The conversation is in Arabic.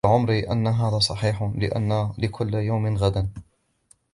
وَلَعَمْرِي إنَّ هَذَا صَحِيحٌ ؛ لِأَنَّ لِكُلِّ يَوْمٍ غَدًا